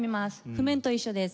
譜面と一緒です。